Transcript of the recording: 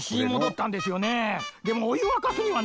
でもおゆわかすにはね。